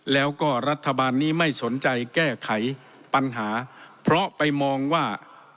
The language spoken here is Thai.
แล้วก็รัฐบาลนี้ไม่สนใจแก้ไขปัญหาเพราะไปมองว่า